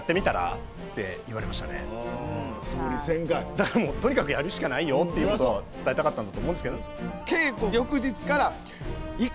だからもうとにかくやるしかないよっていうことは伝えたかったんだと思うんですけどね。